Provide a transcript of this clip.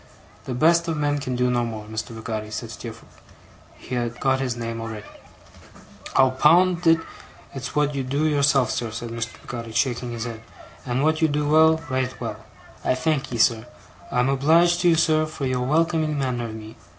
'The best of men can do no more, Mr. Peggotty,' said Steerforth. He had got his name already. 'I'll pound it, it's wot you do yourself, sir,' said Mr. Peggotty, shaking his head, 'and wot you do well right well! I thankee, sir. I'm obleeged to you, sir, for your welcoming manner of me.